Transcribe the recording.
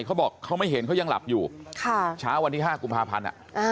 เขาบอกเขาไม่เห็นเขายังหลับอยู่เช้าวันที่๕กุมภาพันธ์